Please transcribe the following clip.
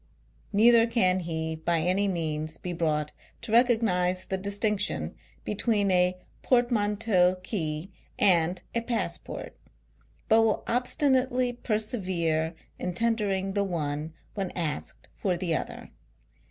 " Neither can he by any means be brought to recognise the distinction between a portmanteau key and a passport, but will obstinately persevere in tendering the one when asked for the other.